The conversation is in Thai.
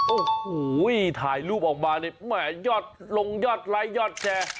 โอ้โหถ่ายรูปออกมาเนี่ยแหมยอดลงยอดไลค์ยอดแชร์